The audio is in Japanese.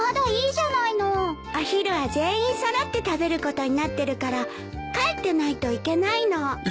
お昼は全員揃って食べることになってるから帰ってないといけないの。